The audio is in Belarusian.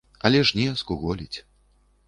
Але ж не, скуголіць.